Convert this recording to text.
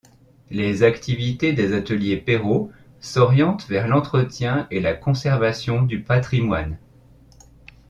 Les activités des Ateliers Perrault s'orientent vers l'entretien et la conservation du patrimoine.